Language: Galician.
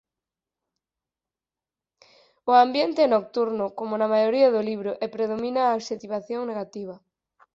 O ambiente é nocturno como na maioría do libro e predomina a adxectivación negativa.